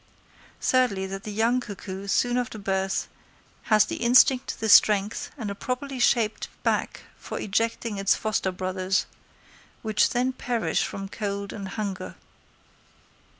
Thirdly, that the young cuckoo, soon after birth, has the instinct, the strength and a properly shaped back for ejecting its foster brothers, which then perish from cold and hunger.